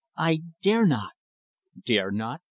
"I dare not." "Dare not?